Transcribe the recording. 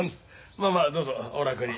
まあまあどうぞお楽に。